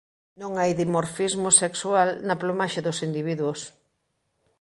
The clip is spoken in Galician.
Non hai dimorfismo sexual na plumaxe dos individuos.